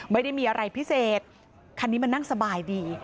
ไม่ได้มีอะไรพิเศษคันนี้มันนั่งสบายดี